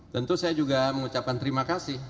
tentu saya juga mengucapkan terima kasih